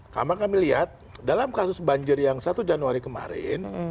karena kami lihat dalam kasus banjir yang satu januari kemarin